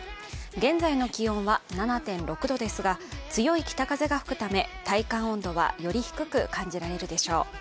現在の気温は７．６度ですが強い北風が吹くため、体感温度は、より低く感じられるでしょう。